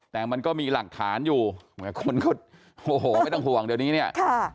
แต่มันก็มีหลักฐานอยู่เหมือนคนเขาโมโหไม่ต้องห่วงเดี๋ยวนี้เนี่ย